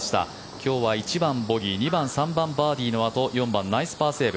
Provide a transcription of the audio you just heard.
今日は１番、ボギー２番、３番バーディーのあと４番、ナイスパーセーブ。